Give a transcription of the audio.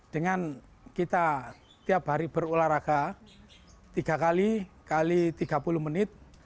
dengan kita tiap hari berolahraga tiga kali kali tiga puluh menit